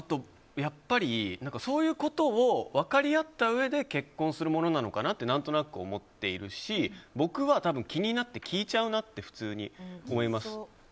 そういうことを分かり合ったうえで結婚するものなのかなって何となく思っているし僕は多分、気になって普通に聞いちゃうなって思います。